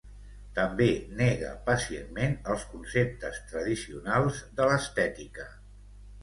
També nega pacientment els conceptes tradicionals de l'estètica.